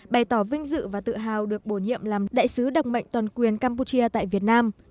bày tỏ vinh dự và tự hào được bổ nhiệm làm đại sứ đặc mệnh toàn quyền campuchia tại việt nam